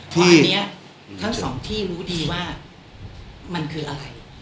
เพราะอันนี้ทั้งสองที่รู้ดีว่ามันคืออะไร